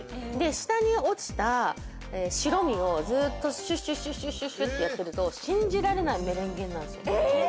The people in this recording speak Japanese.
下に落ちた白身を、ずっとシュッシュってやってると信じられないメレンゲになるんですよ。